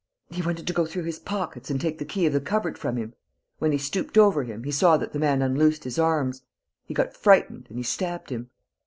"He wanted to go through his pockets and take the key of the cupboard from him. When he stooped over him, he saw that the man unloosed his arms. He got frightened ... and he stabbed him...."